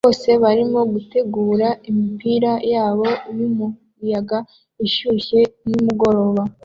Bose barimo gutegura imipira yabo yumuyaga ishyushye nimugoroba